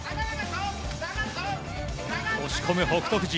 押し込む北勝富士。